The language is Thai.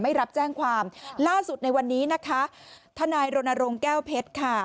ไม่รับแจ้งความล่าสุดในวันนี้นะคะทนายรณรงค์แก้วเพชรค่ะ